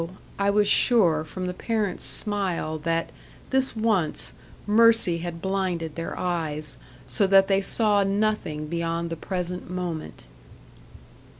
I was sure, from the parents' smile, that, this once, Mercy had blinded their eyes, so that they saw nothing beyond the present moment.